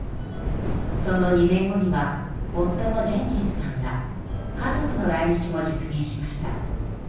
その２年後には夫のジェンキンスさんら家族の来日も実現しました。